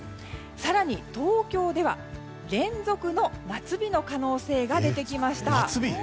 更に、東京では連続の夏日の可能性が出てきました。